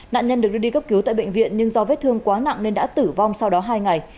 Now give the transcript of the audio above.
nạn nhân được đưa đi cấp cứu tại bệnh viện nhưng do vết thương quá nặng nên đã tử vong sau đó hai ngày